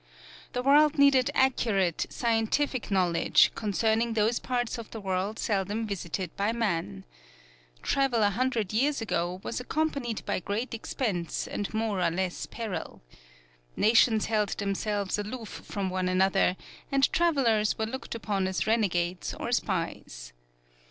The world needed accurate, scientific knowledge concerning those parts of the world seldom visited by man. Travel a hundred years ago was accompanied by great expense and more or less peril. Nations held themselves aloof from one another, and travelers were looked upon as renegades or spies.